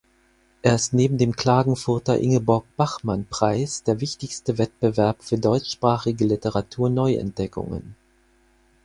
Er ist neben dem Klagenfurter Ingeborg-Bachmann-Preis der wichtigste Wettbewerb für deutschsprachige Literatur-Neuentdeckungen.